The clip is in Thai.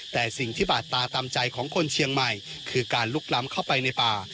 แต่สิ่งที่บาดตาตามใจของคนเชียงใหม่คือการลุกล้ำเข้าไปในป่า